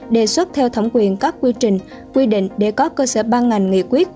đề xuất theo thẩm quyền các quy trình quy định để có cơ sở ban ngành nghị quyết